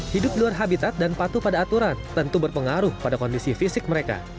hidup di luar habitat dan patuh pada aturan tentu berpengaruh pada kondisi fisik mereka